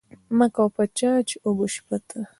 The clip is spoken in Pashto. مه کوه په چا چی اوبه شی په تا.